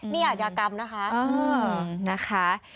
นี่อัยกรรมนะคะ